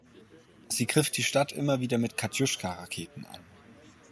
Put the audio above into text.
Sie griff die Stadt immer wieder mit Katjuscha-Raketen an.